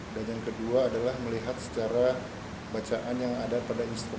dan yang kedua adalah melihat secara bacaan yang ada pada instruksi